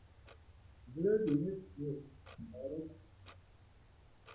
زړه د نیک نیت هنداره ده.